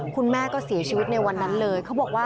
คุณแม่ก็เสียชีวิตในวันนั้นเลย